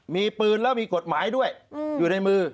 มีปืนแล้วมีกฎหมายด้วยอยู่ในมือ